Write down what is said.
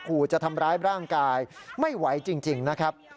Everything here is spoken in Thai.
ขู่จะทำร้ายร่างกายไม่ไหวจริงนะครับ